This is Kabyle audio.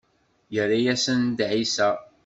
Yerra-asen-d ɛisa.